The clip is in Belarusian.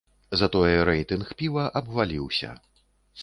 Затое рэйтынг піва абваліўся.